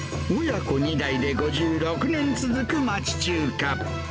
親子２代で５６年続く町中華。